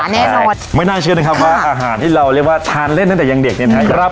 แน่นอนไม่น่าเชื่อนะครับว่าอาหารที่เราเรียกว่าทานเล่นตั้งแต่ยังเด็กเนี่ยนะครับ